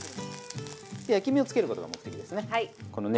焼き目をつけることが目的ですね。